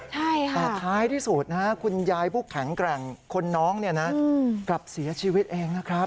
แต่ท้ายที่สุดคุณยายผู้แข็งแกร่งคนน้องกลับเสียชีวิตเองนะครับ